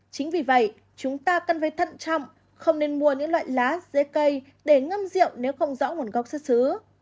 chính vì vậy chúng ta cần phải thận trọng không nên mua những loại lá dễ cây để ngâm rượu nếu không rõ nguồn gốc xuất xứ